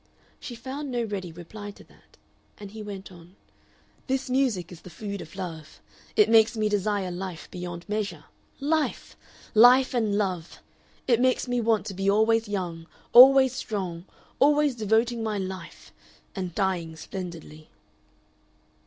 She found no ready reply to that, and he went on: "This music is the food of love. It makes me desire life beyond measure. Life! Life and love! It makes me want to be always young, always strong, always devoting my life and dying splendidly."